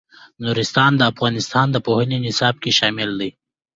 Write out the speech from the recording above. نورستان د افغانستان د پوهنې نصاب کې شامل دي.